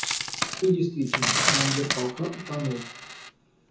И действительно, командир полка утонул.